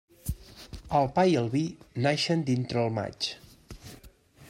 El pa i el vi naixen dintre el maig.